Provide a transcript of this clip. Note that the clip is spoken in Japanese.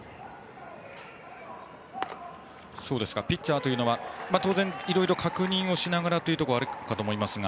ピッチャーというのは当然、いろいろ確認しながらもあるかと思いますが。